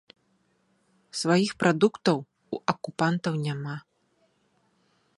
Сваіх прадуктаў у акупантаў няма.